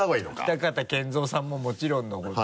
北方謙三さんももちろんのこと。